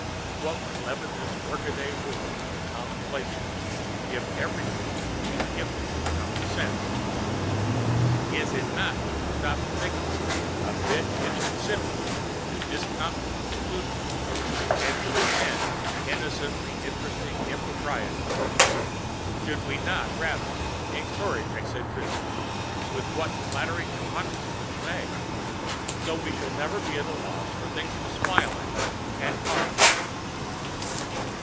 What would leaven this workaday world of common places, if everyone were gifted with common sense? Is it not, when you stop to think of it, a bit inconsiderate to discountenance buffoonery and to resent innocently interesting impropriety? Should we not rather encourage eccentricity with what flattering hypocrisies we may, so that we shall never be at a loss for things to smile at and talk about?